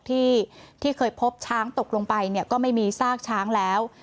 ที่เคยพบช้างตกลงไปเนี่ยก็ไม่มีซากช้างแล้ว